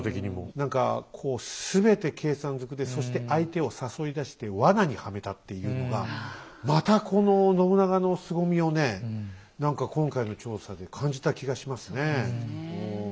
何かこう全て計算ずくでそして相手を誘い出してワナにはめたっていうのがまたこの信長のすごみをね何か今回の調査で感じた気がしますね。